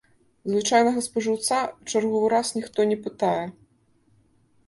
Звычайнага спажыўца чарговы раз ніхто не пытае.